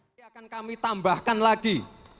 ini akan kami tambahkan lagi